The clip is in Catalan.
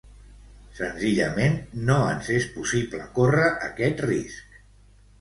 Senzillament, no ens és possible córrer aquest risc.